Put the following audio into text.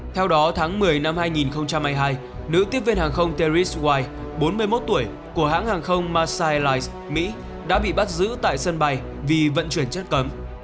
theo đó tháng một mươi năm hai nghìn hai mươi hai nữ tiếp viên hàng không terries white bốn mươi một tuổi của hãng hàng không masai airlines mỹ đã bị bắt giữ tại sân bay vì vận chuyển chất cấm